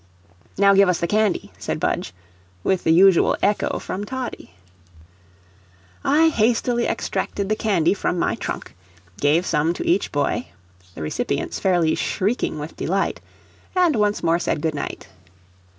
"Now give us the candy," said Budge, with the usual echo from Toddie. I hastily extracted the candy from my trunk, gave some to each boy, the recipients fairly shrieking with delight, and once more said good night.